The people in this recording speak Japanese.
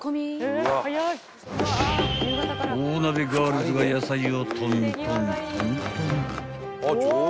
［大鍋ガールズが野菜をトントントントン］